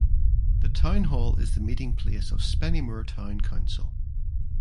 The town hall is the meeting place of Spennymoor Town Council.